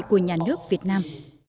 của nhà nước việt nam